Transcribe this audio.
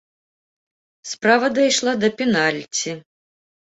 Справа дайшла да пенальці.